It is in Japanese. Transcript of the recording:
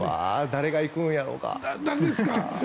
誰が行くんやろうか。